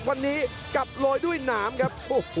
วันนี้กลับลอยด้วยหนามครับ